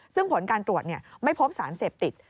ซึ่งผลการตรวจไม่พบสารเสพติด